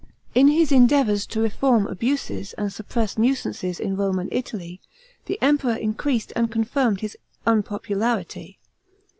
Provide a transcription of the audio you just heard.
In his endeavours to reform abuses and suppress nuisances in Rome and Italy, the Emperor increased and confirmed his unpopularity.